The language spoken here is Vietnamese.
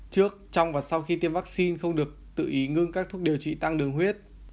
trước trong và sau khi tiêm vaccine không được tự ý ngưng các thuốc điều trị tăng đường huyết